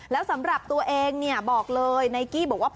แล้วสำหรับตัวเองเนี่ยบอกเลยไนกี้บอกว่า